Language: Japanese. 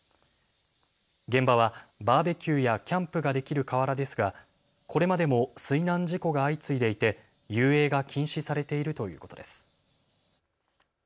現場はバーベキューやキャンプができる河原ですがこれまでも水難事故が相次いでいて遊泳が禁止されているということです。